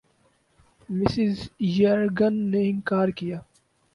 Mrs Jurgen نے اِنکار کِیا